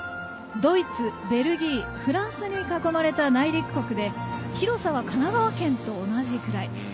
ドイツ、ベルギー、フランスに囲まれた内陸国で広さは神奈川県と同じくらい。